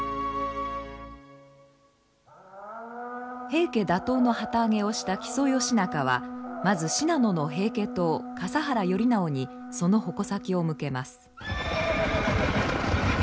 平家打倒の旗揚げをした木曽義仲はまず信濃の平家党笠原頼直にその矛先を向けます。